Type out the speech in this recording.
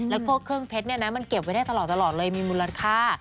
แล้วพวกเครื่องเพชรมันเก็บไว้ได้ตลอดเลยมีมูลค่า